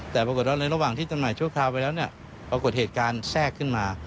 แต่ปรากฏว่าในระหว่างที่จำหน่ายชั่วคราวไปแล้วเนี่ยปรากฏเหตุการณ์แทรกขึ้นมา